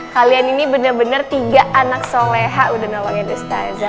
kalian ini bener bener tiga anak soleha udah nolongin ustazah